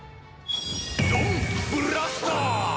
「ドンブラスター！」